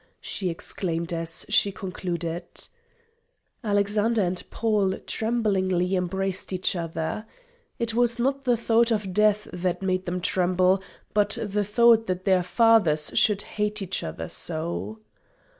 she exclaimed as she concluded. Alexander and Paul tremblingly embraced each other. It was not the thought of death that made them tremble, but the thought that their fathers should hate each other so.